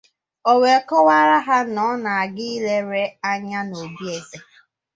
o wee kọwara ya na ọ na-aga ilere anya n’obi eze.